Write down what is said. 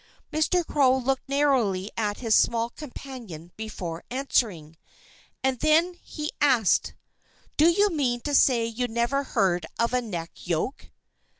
Mr. Crow looked narrowly at his small companion before answering. And then he asked: "Do you mean to say you never heard of a neck yoke?"